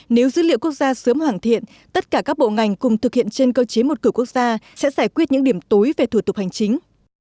nếu dữ liệu quốc gia sớm hoàn thiện tất cả các bộ ngành cùng thực hiện trên cơ chế một cửa quốc gia sẽ giải quyết những điểm tối về thủ tục hành chính